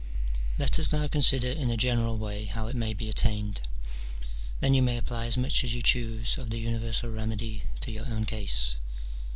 Let us now consider in a general way how it may be attained : then you may apply as much as you choose of the universal remedy to your own case.